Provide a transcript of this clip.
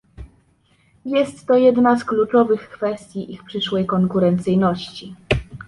Jest to jedna z kluczowych kwestii ich przyszłej konkurencyjności